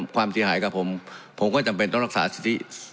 ความเสียหายกับผมผมก็จำเป็นต้องรักษาสิทธิ